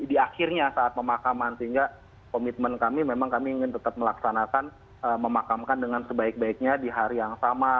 di akhirnya saat pemakaman sehingga komitmen kami memang kami ingin tetap melaksanakan memakamkan dengan sebaik baiknya di hari yang sama